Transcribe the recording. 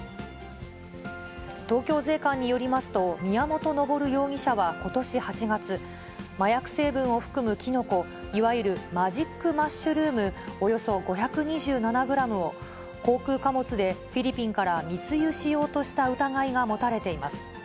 東京税関によりますと、宮本昇容疑者はことし８月、麻薬成分を含むキノコ、いわゆるマジックマッシュルームおよそ５２７グラムを、航空貨物でフィリピンから密輸しようとした疑いが持たれています。